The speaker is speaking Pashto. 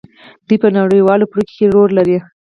دوی په نړیوالو پریکړو کې رول لري.